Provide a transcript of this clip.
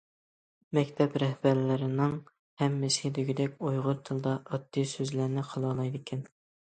مەكتەپ رەھبەرلىرىنىڭ ھەممىسى دېگۈدەك ئۇيغۇر تىلىدا ئاددىي سۆزلەرنى قىلالايدىكەن.